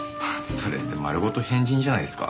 それってまるごと変人じゃないですか。